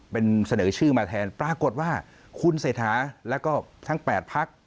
เป็นเสนอชื่อมาแทนปรากฏว่าคุณเศรษฐาแล้วก็ทั้ง๘พัก